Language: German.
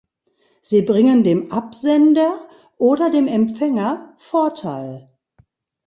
Sie bringen dem Absender oder dem Empfänger Vorteil.